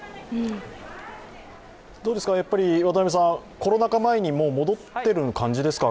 コロナ禍前にもう戻っている感じですか？